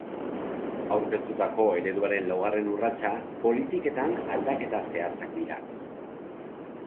Aurkeztutako ereduaren laugarren urratsa politiketan aldaketa zehatzak dira.